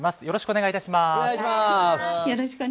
よろしくお願いします。